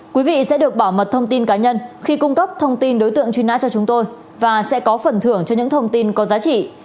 quý vị sẽ được bảo mật thông tin cá nhân khi cung cấp thông tin đối tượng truy nã cho chúng tôi và sẽ có phần thưởng cho những thông tin có giá trị